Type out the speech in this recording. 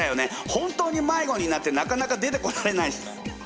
本当に迷子になってなかなか出てこられない人いたよね？